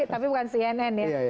tapi bukan cnn ya